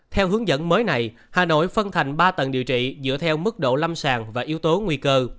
theo hướng dẫn mới này hà nội phân thành ba tầng điều trị dựa theo mức độ lâm sàng và yếu tố nguy cơ